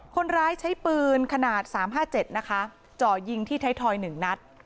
คนร้ายใช้ปืนขนาดสามห้าเจ็ดนะคะจ่อยิงที่ไทยทอยหนึ่งนัด